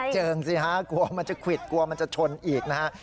เจิงสิฮะกลัวมันจะควิดกลัวมันจะชนอีกนะฮะ